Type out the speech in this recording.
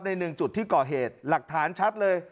หนึ่งจุดที่ก่อเหตุหลักฐานชัดเลย